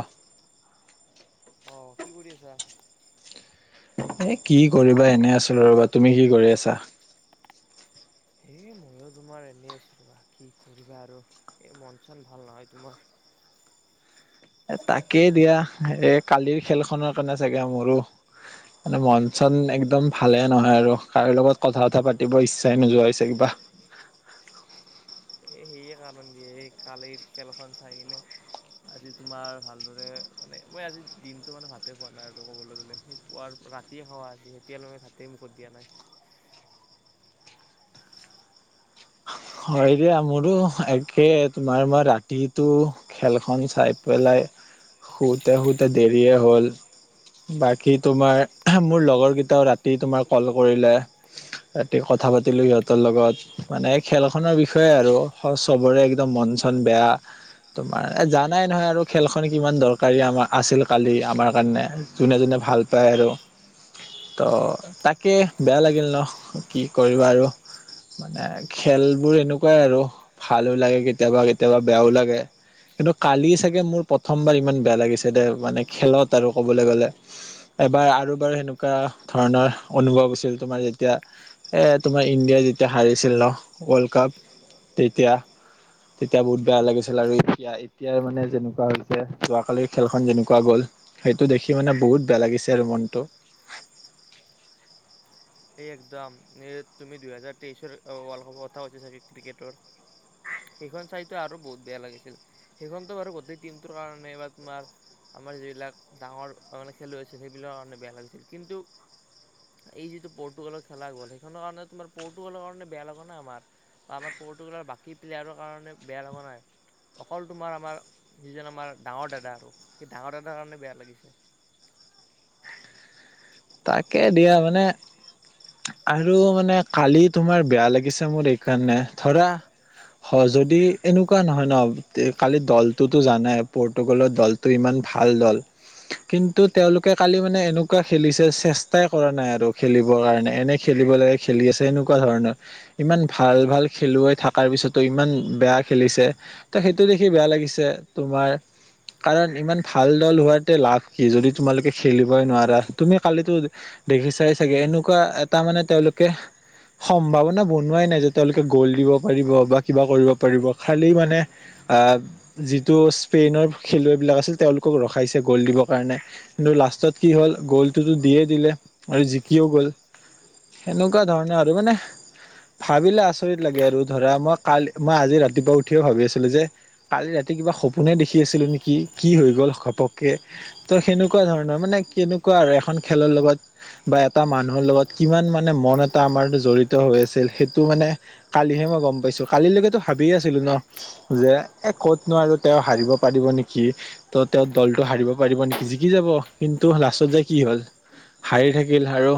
ৱা অ', কি কৰি আছা এ কি কৰিবা এনে আছোঁ ৰবা তুমি কি কৰি আছা। হ ময়ো তোমাৰ এনে আছোঁ ৰবা কি কৰিবা আৰু এই মন চন ভাল নহয় তোমাৰ এ তাকেই দিয়া এই কালিৰ খেলখনৰ কাৰণে চাগে মোৰো মানে মন চন একদম ভালে নহয় আৰু কাৰো লগত কথা চথা পাতিব ইচ্ছাই নোযোৱা হৈছে কিবা এই সেয়ে কাৰণ দিয়ে এই কালিৰ খেলখন চাই কিনে আজি তোমাৰ ভালদৰে মানে মই আজি দিনটো মানে ভাতেই খোৱা নাই আৰু ক'বলৈ গ'লে সেই পুৱাৰ পৰা ৰাতি খোৱা আজি এতিয়ালৈকে ভাতেই মুখত দিয়া নাই। হয় দিয়া মোৰো একে তোমাৰ মই ৰাতিটো খেলখন চাই পেলাই শুতে শুওঁতে দেৰিয়ে হ'ল। বাকী তোমাৰ মোৰ লগৰ কেইটাও ৰাতি তোমাৰ ক'ল কৰিলে। ৰাতি কথা পাতিলো সিহঁতৰ লগত মানে খেলখনৰ বিষয়ে আৰু চবৰে একদম মন চন বেয়া। তোমাৰ জানাই নহয় আৰু খেলখন কিমান দৰকাৰী আমাৰ আছিল কালি আমাৰ কাৰণে। যোনে যোনে ভাল পায় আৰু। [unintelligible] ত' তাকে বেয়া লাগিল ন কি কৰিবা আৰু মানে খেলবোৰ এনেকুৱাই আৰু ভালো লাগে কেতিয়াবা কেতিয়াবা বেয়াও লাগে। কিন্তু কালি চাগে মোৰ প্ৰথমবাৰ ইমান বেয়া লাগিছে দে মানে খেলত আৰু ক'বলৈ গ'লে। এবাৰ আৰু বাৰু সেনেকুৱা ধৰণৰ অনুভৱ আছিল তোমাৰ যেতিয়া এ তোমাৰ ইণ্ডিয়া যেতিয়া হাৰিছিল ন ৱৰ্ল্ড কাপ তেতিয়া। তেতিয়া বহুত বেয়া লাগিছিল আৰু এতিয়া এতিয়া মানে যেনেকুৱা হৈছে যোৱাকালি খেলখন যেনেকুৱা গ'ল। সেইটো দেখি মানে বহুত বেয়া লাগিছে আৰু মনটো। এই একদম তুমি দুহেজাৰ তেইশৰ ৱৰ্ল্ড কাপৰ কথা কৈছা চাগে ক্ৰিকেটৰ। সেইখন চাইতো আৰু বহুত বেয়া লাগিছিল, সেইখনতো বাৰু গোটেই টিমটোৰ কাৰণে বা তোমাৰ আমাৰ যিবিলাক ডাঙৰ মানে খেলুৱৈ আছিল সেইবিলাকৰ কাৰণে বেয়া লাগিছিল কিন্তু এই যিটো পৰ্তুগালৰ খেলা গ'ল সেইখনৰ কাৰণে তোমাৰ পৰ্তুগালৰ কাৰণে বেয়া লগা নাই আমাৰ আমাৰ পৰ্তুগালৰ বাকী প্লেয়াৰৰ কাৰণে বেয়া লগা নাই। অকল তোমাৰ আমাৰ যিজন আমাৰ ডাঙৰ দাদা আৰু সেই ডাঙৰ দাদাৰ কাৰণে বেয়া লাগিছে। তাকে দিয়া মানে আৰু মানে কালি তোমাৰ বেয়া লাগিছে মোৰ এইকাৰণে ধৰা হয় যদি এনেকুৱা নহয় ন, কালি দলটোতো জানাই পৰ্টুগালৰ দল ইমান ভাল দল, কিন্তু তেওঁলোকে কালি মানে এনেকুৱা খেলিছ [unintelligible] চেষ্টাই কৰা নাই আৰু খেলিবৰ কাৰণে এনে খেলিব লাগে খেলি আছে এনেকুৱা ধৰণৰ ইমান ভাল, ভাল খেলুৱৈ থকাৰ পিছতো ইমান বেয়া খেলিছে। ত' সেইটো দেখি বেয়া লাগিছে তোমাৰ কাৰণ ইমান ভাল দল হোৱাতে লাভ কি যদি তোমালোকে খেলিবই নোৱাৰা। তুমি কালিতো দেখিছাই চাগে এনেকুৱা এটা মানে তেওঁলোকে সম্ভাৱনা বনোৱাই নাই যে তেওঁলোকে গ'ল দিব পাৰিব বা কিবা কৰিব পাৰিব খালি মানে অ, যিটো স্পেইনৰ খেলুৱৈ বিলাক আছিল তেওঁলোকক ৰখাইছে গ'ল দিবৰ কাৰণে। কিন্তু লাষ্টত কি হ'ল গ'লটোতো দিয়েই দিলে, আৰু জিকিও গ'ল। সেনেকুৱা ধৰণে আৰু মানে ভাবিলে আচৰিত লাগে আৰু ধৰা মই কাল মই আজি ৰাতিপুৱা উঠি ভাবি আছিলো যে কালি ৰাতি কিবা সপোনে দেখি আছিলো নেকি কি হৈ গ'ল ঘপককে। ত' সেনেকুৱা ধৰণৰ মানে কেনেকুৱা আৰু এখন খেলৰ লগত বা এটা মানুহৰ লগত কিমান মানে মন এটা আমাৰ জড়িত হৈ আছিল সেইটো মানে কালিহে মই গম পাইছো কালিলৈকেতো ভাবিয়ে আছিলো ন যে এ ক'ত নোৱাৰো তেওঁ হাৰিব পাৰিব নেকি ত' তেওঁ দলটো হাৰিব পাৰিব নেকি জিকি যাব কিন্তু লাষ্টত যায় কি হ'ল, হাৰি থাকিল আৰু,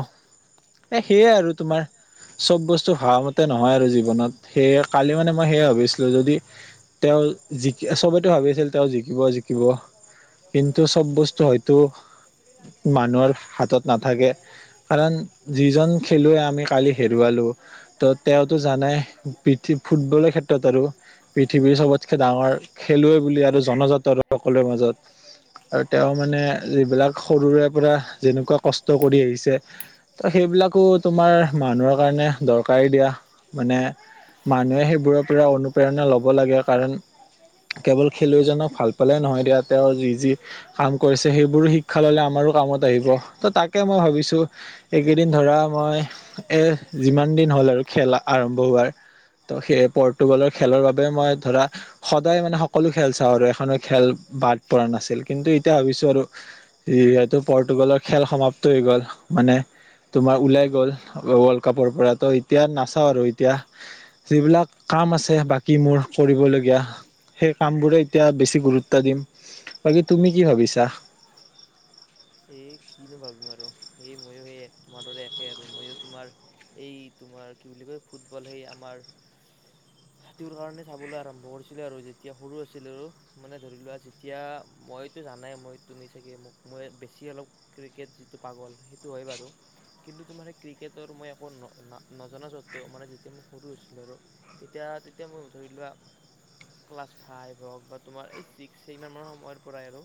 এ সেয়াই আৰু তোমাৰ চব বস্তু ভাবা মতে নহয় আৰু জীৱনত সেয়ে কালি মানে মই সেয়ে ভাবিছিলো যদি তেওঁ জিকি চবতো ভাবি আছিল তেওঁ জিকিব, জিকিব। কিন্তু চব বস্তু হয়তো মানুহৰ হাতত নাথাকে। কাৰণ যিজন খেলুৱৈ আমি কালি হেৰুৱালো। ত' তেওঁতো জানে পৃথিৱ ফুটবলৰ ক্ষেত্ৰত আৰু পৃথিৱীৰ চবতকে ডাঙৰ খেলুৱৈ বুলি আৰু জনজাতৰ সকলোৰে মাজত আৰু তেওঁ মানে যিবিলাক সৰুৰে পৰা যেনেকুৱা কষ্ট কৰি আহিছে। ত' সেইবিলাকো তোমাৰ মানুহৰ কাৰণে দৰকাৰী দিয়া মানে মানুহে সেইবোৰৰ পৰা অনুপ্ৰেৰণা ল'ব লাগে কাৰণ কেৱল খেলুৱৈজনক ভাল পালে নহয় দিয়া তেওঁৰ যি, যি কাম কৰিছে সেইবোৰো শিক্ষা ললে আমাৰো কামত আহিব ত, তাকে মই ভাবিছোঁ। এইকেইদিন ধৰা মই এ যিমান দিন হ'ল আৰু খেল আৰম্ভ হোৱাৰ ত' সেই পৰতুগালৰ খেলৰ বাবে মই ধৰা সদায় মানে সকলো খেল চাওঁ আৰু এখননৰ খেল বাদ পৰা নাছিল কিন্তু এতিয়া ভাবিছোঁ আৰু ইহতো পৰতুগালৰ খেল সমাপ্ত হৈ গ'ল মানে তোমাৰ ওলাই গ'ল ৱৰ্ল্ড কাপৰ পৰা তো এতিয়া নাচাও আৰু এতিয়া যিবিলাক কাম আছে বাকী মোৰ কৰিবলগীয়া সেই কাম বোৰে এতিয়া বেছি গুৰুত্ব দিম বাকী তুমি কি ভাবিছা? এই কিনো ভাবিম আৰু এই ময়ো সেই তোমাৰ দৰে একে আৰু মইো তোমাৰ এই তোমাৰ কি বুলি কয় ফুটবল সেই আমাৰ হাতোৰ কাৰণে চাবলৈ আৰম্ভ কৰিছিলো আৰু যেতিয়া সৰু আছিলে আৰু মানে ধৰি লোৱা যেয়া এতিয়া মইতো জানায়ে মই তুমি চাগে মোক মই বেছি অলপ। ক্ৰিকেট যিটো পাগল সেইটো হয় বাৰু। কিন্তু তোমাৰ ক্ৰিকেটৰ মই একো না-নজনা স্বত্তেও মানে যেতিয়া মই সৰু হৈছিলোঁ আৰু। তেতিয়া তেতিয়া মই ধৰি লোৱা। ক্লাছ ফাইভ হওঁক বা তোমাৰ এই ছিক্স সেই সময়ৰ পৰাই আৰু।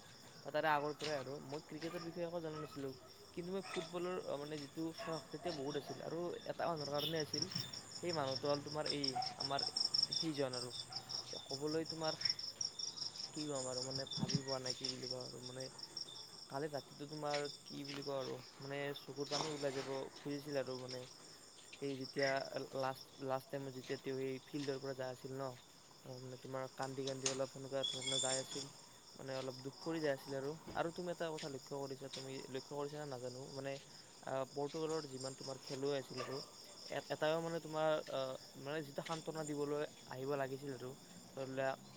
তাৰে আগৰ পৰাই আৰু মই ক্ৰিকেটৰ বিষয়ে একো জনা নাছিলোঁ। কিন্তু মই ফুটবলৰ মানে যিটো চখ তেতিয়া বহুত আছিল আৰু এটা মানুহৰ কাৰণে আছিল। সেই মানুহটো হ'ল তোমাৰ এই আমাৰ সেইজন আৰু ক'বলৈ তোমাৰ। কি ক'ম আৰু মানে ভাবি পোৱা নাই কি বুলি কওঁ আৰু মানে। কালি ৰাতিটো তোমাৰ কি বুলি কওঁ আৰু মানে চকুৰ পানী ওলাই যাব খুজিছিল আৰু মানে। সেই যেতিয়া লাষ্ট লাষ্ট টাইমত যেতিয়া। তেওঁ সেই ফিল্ডৰ পৰা যাই আছিল নহ মানে তোমাৰ কান্দি কান্দি অলপ সেনেকুৱা ধৰণৰ যাই আছিল। মানে অলপ দুখ কৰি যাই আছিলে আৰু আৰু তুমি এটা কথা লক্ষ্য কৰিছা তুমি লক্ষ্য কৰিছা নে নাজানো মানে। আহ পৰ্তুগালৰ যিমান তোমাৰ খেলুৱৈ আছিল আৰু এ-এটা মানে তোমাৰ আহ মানে যি সান্ত্বনা দিবলৈ আহিব লাগিছিল আৰু ধৰি। [unintelligible]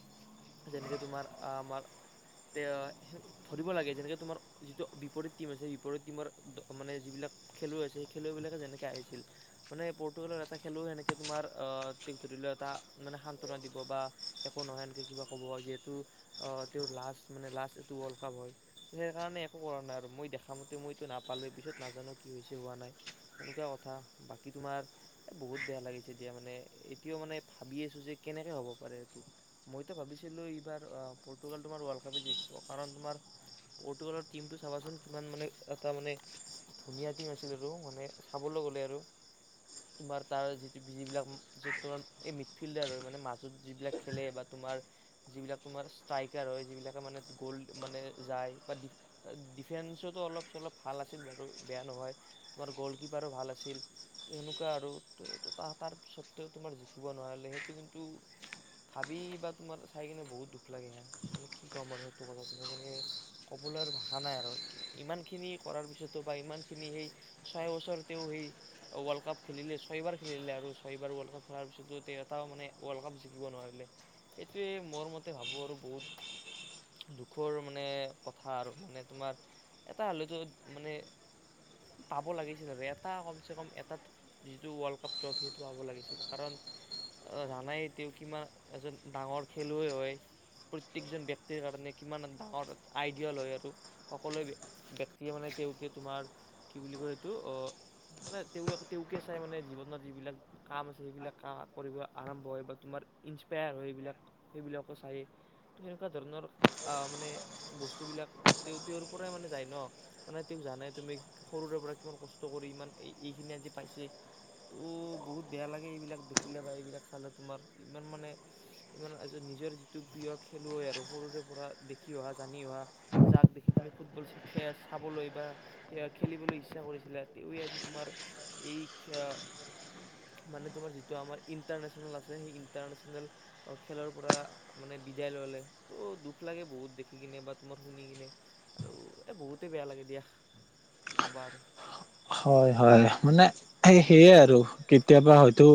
যেনেকে তোমাৰ আমাৰ তেওঁ। ধৰিব লাগে যেনেকৈ তোমাৰ যিটো বিপৰীত টীম আছে বিপৰীত টীমৰ দ মানে যিবিলাক। খেলুৱৈ আছে সেই খেলুৱৈবিলাকে যেনেকৈ আহিছিল মানে পৰ্টুগালৰ এটা খেলুৱৈ সেনেকৈ তোমাৰ অ। [unintelligible] ধৰি লোৱা এটা মানে সান্ত্বনা দিব বা একো নহয় এনেকে কিবা ক'ব যিহেতু। অহ তেওঁৰ লাষ্ট মানে লাষ্ট এইটো ৱৰ্ল্ড কাপ হয়। [unintelligible] সেইকাৰণে একো কৰা নাই আৰু মই দেখা মতে মইতো নাপালোঁ পিছত নাজানো কি হৈছে হোৱা নাই। তেনেকুৱা কথা বাকী তোমাৰ এই বহুত বেয়া লাগিছে এ দিয়া মানে। এতিয়াও মানে ভাৱি আছোঁ যে কেনেকে হ'ব পাৰে এইটো। মইতো ভাবিছিলোঁ এইবাৰ পৰ্তুগাল তোমাৰ ৱৰ্ল্ড কাপে জিকিব কাৰণ তোমাৰ। পৰ্টুগালৰ টিমটো চাবাচোন কিমান মানে এটা মানে। ধুনীয়া টিম আছিল আৰু মানে চাবলৈ গ'লে আৰু তোমাৰ তাৰ যিটো যিবিলাক। পিছত তোমাৰ এই মিডফিল্ডাৰ হয় মানে মাজত যিবিলাক খেলে বা তোমাৰ। যিবিলাক তোমাৰ ষ্ট্ৰাইকাৰ হয় যিবিলাকে মানে গ'ল্ড মানে যায় বা দিফ ডিফেন্সতো অলপ চলপ ভাল আছিল বাৰু বেয়া নহয় তোমাৰ গ'লকীপাৰো ভাল আছিল। [unintelligible] সেনেকুৱা আৰু তাৰ [unintelligible] সত্ত্বেও তোমাৰ জিকিব নোৱাৰিলে সেইটো কিন্তু। ভাৱি বা তোমাৰ চাই কিনে বহুত দুখ লাগে হে মানে কি ক'ম আৰু সেইটো কথা মই মানে। ক'বলৈ ভাষা নাই আৰু। ইমানখিনি কৰাৰ পিছতো বা ইমানখিনি সেই ছয় বছৰেতেও সেই। অ ৱৰ্ল্ড কাপ খেলিলে ছয়বাৰ খেলিলে আৰু ছয়বাৰ ৱৰ্ল্ড [unintelligible] খেলাৰ পিছতো এটাও মানে ৱৰ্ল্ড কাপ জিকিব নোৱাৰিলে। সেইটোৱে মোৰ মতে ভাবোঁ আৰু বহুত। দুখৰ মানে কথা আৰু মানে তোমাৰ এটা হ'লেতো মানে। পাব লাগিছিল আৰু এটা কমচে কম এটাত যিটো ৱৰ্ল্ড কাপ ট্ৰফি সেইটো পাব লাগিছিল। কাৰণ জানাই তেওঁ কিমান এজন ডাঙৰ খেলুৱৈ হয়। প্ৰত্যেকজন ব্যক্তিৰ কাৰণে কিমান ডাঙৰ আইডিওল হয় আৰু। সকলোৱে ব্যক্তিয়ে মানে তেওঁকে তোমাৰ কি বুলি কয় এইটো অ। মানে তেওঁলোক তেওঁকে চাই মানে জীৱনৰ যিবিলাক কাম আছে। সেইবিলাক কাম কৰিব আৰম্ভ হয় বা তোমাৰ ইনস্পায়াৰ হয় সেইবিলাক সেইবিলাকো চায়। [unintelligible] সেনেকুৱা ধৰণৰ মানে বস্তুবিলাক তেওঁ, তেওঁৰ পৰাই মানে যায় নহ। মানে তেওঁ জানাই তুমি সৰুৰে পৰা কিমান কষ্ট কৰি ইমান এইখিনি আজি পাইছে। ত' বহুত বেয়া লাগে এইবিলাক দেখিলে বা এইবিলাক চালে তোমাৰ ইমান মানে। ইমান নিজৰ যিটো প্ৰিয় খেলুৱৈ আৰু সৰুৰে পৰা দেখি অহা জানি অহা। যাক দেখি তুমি ফুটবল খেল চাবলৈ বা। খেলিবলৈ ইচ্ছা কৰিছিলা তেৱে আজি তোমাৰ এই খে মানে তোমাৰ যিটো আমাৰ ইণ্টাৰনেশ্যনেল আছে সেই ইণ্টাৰনেশ্যনেল। অ' খেলৰপৰা মানে বিদায় ল'লে। ত' দুখ লাগে বহুত দেখি কিনে বা তোমাৰ শুনি কিনে আৰু এই বহুতেই বেয়া লাগে দিয়া। কি কিবা আৰু। হয় হয়, মানে স সেয়া আৰু কেতিয়াবা হয়তো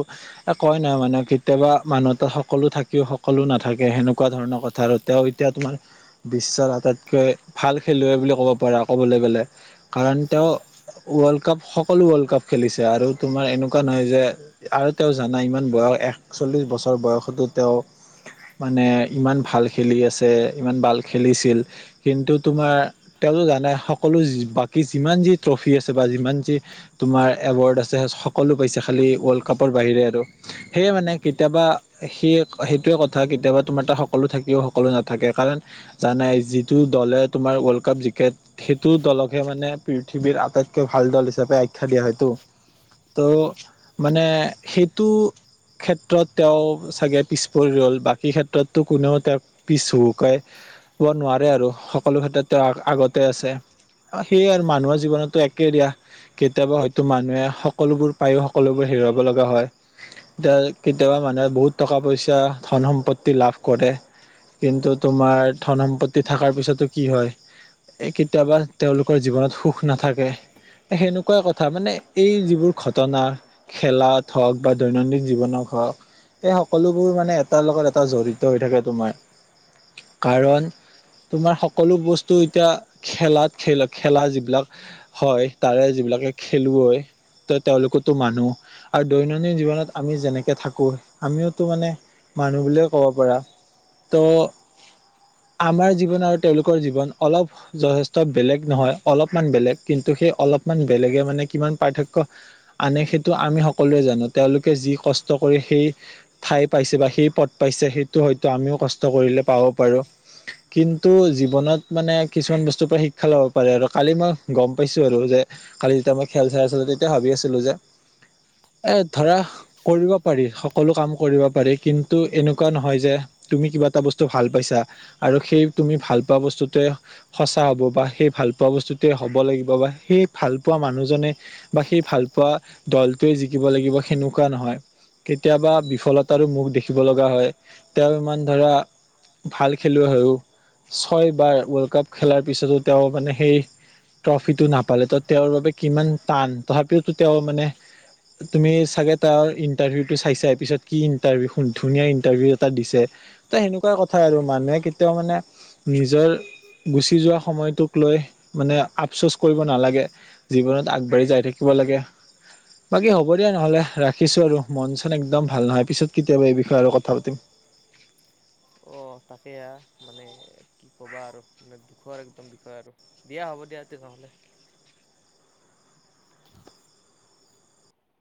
কয় ন' মানে কেতিয়াবা মানুহ ত' সকলো থাকিও সকলো নাথাকে সেনেকুৱা ধৰণৰ কথা আৰু তেওঁ এতিয়া তোমাৰ বিশ্বৰ আটাইতকৈ ভাল খেলুৱৈ বুলি ক'ব পাৰা ক'বলৈ গ'লে কাৰণ তেওঁ ৱৰ্ল্ড কাপ সকলো ৱৰ্ল্ড কাপ খেলিছে আৰু তোমাৰ এনেকুৱা নহয় যে আৰু তেওঁ জানা ইমান বয়স, একচল্লিছ বছৰ বয়সতো তেওঁ মানে ইমান ভাল খেলি আছে, ইমান ভাল খেলিছিল কিন্তু তোমাৰ তেওঁতো জানে সকলো বাকী যিমান যি ট্ৰফি পি আছে বা যিমান যি তোমাৰ এৱাৰৰ্ড আছে সকলো পাইছে খালি ৱৰ্ল্ড কাপৰ বাহিৰে আৰু। সেয়ে মানে কেতিয়াবা সেই সেইটোৱে কথা কেতিয়াবা, তোমাৰ টা সকলো থাকি ইউ সকলো নাথাকে কাৰণ জানাই যিটো দলে তোমাৰ ৱৰ্ল্ড কাপ জিকে সেইটো দলকহে মানে পৃথিৱীৰ আ আটাইতকৈ ভাল দল হিচাপে আখ্যা দিয়া হয়তো। ত' মানে সেইটো ক্ষেত্ৰত তেওঁ চাগে পিছ পৰি ৰ'ল, বাকী ক্ষেত্ৰততো কোনেও তেওঁক পিছ হুৱুকাই নোৱাৰে আৰু সকলো ক্ষেত্ৰত তেওঁ আগতে আছে। সেয়ে আৰু মানুহৰ জীৱনত একে দিয়া, কেতিয়াবা হয়তো মানুহে সকলোবোৰ পায়ো সকলোবোৰ হেৰুৱাব লগা হয়। এতিয়া কেতিয়াবা মানুহে বহুত টকা পইচা ধন সম্পত্তি লাভ কৰে। কিন্তু তোমাৰ ধন সম্পত্তি থকাৰ পিছতো কি হয় এই কেতিয়াবা তেওঁলোকৰ জীৱনত সুখ নাথা সেনেকুৱাই কথা, মানে এই যিবোৰ ঘটনা খেলাত হওক বা দৈনন্দিন জীৱনক হওক এই সকলোবোৰ মানে এটাৰ লগত এটা জড়িত হৈ থাকে তোমাৰ কাৰণ তোমাৰ সকলো বস্তু এতিয়া খেলাত খেল খেলা যিবিলাক হয় তাৰে যিবিলাকে খেলুৱৈ ত' তেওঁলোকতো মানুহ আৰু দৈনন্দিন জীৱনত আমি যেনেকে থাকো আমিওতো মানে মানুহ বুলিয়ে ক'ব পাৰা, ত আমাৰ জীৱন আৰু তেওঁলোকৰ জীৱন অলপ যথেষ্ট বেলেগ নহয়, অলপমান বেলেগ। কিন্তু সেই অলপমান বেলেগে মানে কিমান পাৰ্থক্য আনে সেইটো আমি সকলোৱে জানো। তেওঁলোকে যি কষ্ট কৰি সেই ঠাই পাইছে বা সেই পথ পাইছে সেইটো হয়তো আমিও কষ্ট কৰিলে পাব পাৰোঁ। কিন্তু জীৱনত মানে কিছুমান বস্তুৰপৰা শিক্ষা ল'ব পাৰে আৰু কালি মই গ'ম পাইছোঁ আৰু যে কালি যেতিয়া মই খেল চাই আছিলো তেতিয়া ভাবি আছিলো যে এ, ধৰা কৰিব পাৰি, সকলো কাম কৰিব পাৰি কিন্তু এনেকুৱা নহয় যে তুমি কিবা এটা বস্তু ভাল পাইছা আৰু সেই তুমি ভাল পোৱা বস্তুতে সঁচা হ'ব বা সেই ভাল পোৱা বস্তুটোৱে হ'ব লাগিব বা সেই ভাল পোৱা মানুহজনে বা সেই ভাল পোৱা দলটোৱে জিকিব লাগিব সেনেকুৱা নহয়, কেতিয়াবা বিফলতাৰো মোক দেখিব লগা হয়, তেওঁ ইমান ধৰা ভাল খেলুৱৈ হৈয়ো ছয় বাৰ ৱৰ্ল্ড কাপ খেলাৰ পিছতো তেওঁ মানে সেই ট্ৰফিটো নাপালে, ত' তেওঁৰ বাবে কিমান টান, তথাপিওতো তেওঁ মানে তুমি চাগে তাৰ ইন্টাৰভিউটো চাইছোই, পিছত কি ইণ্টাৰভিউ ধুনীয়া ইন্টাৰভিউ এটা দিছে ত' সেনেকুৱা ক থা আৰু মানুহে কেতিয়াও মানে নিজৰ গুচি যোৱা সময়টোক লৈ মানে আপচোচ কৰিব নালাগে, জীৱনত আগবাঢ়ি যাই থাকিব লাগে। বাকী হ'ব দিয়া নহ'লে ৰাখিছোঁ আৰু মন চন একদম ভাল নহয়, পিছত কেতিয়াবা এই বিষয়ে আৰু কথা পাতিম। অ' তাকেয়া মানে কি ক'বা আৰু মানে দুখৰ একদম বিষয় আৰু। দিয়া হ'ব দিয়া তেতিনেহ'লে।